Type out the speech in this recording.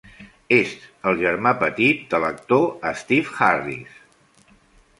És el germà petit de l'actor Steve Harris.